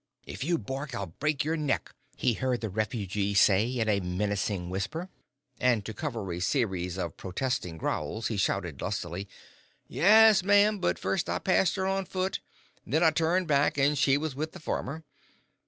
"If you bark I'll break your neck," he heard the refugee say in a menacing whisper, and, to cover a series of protesting growls, he shouted, lustily, "Yes, ma'am, but first I passed her on foot. Then I turned back, and she was with the farmer.